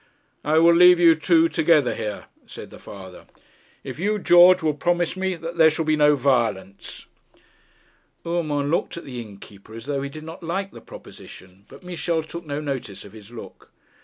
'I will leave you together here,' said the father, 'if you, George, will promise me that there shall be no violence.' Urmand looked at the innkeeper as though he did not like the proposition, but Michel took no notice of his look.